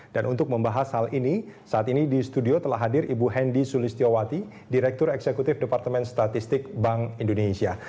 dan untuk membahas hal ini saat ini di studio telah hadir ibu hendy sulistiyowati direktur eksekutif departemen statistik bank indonesia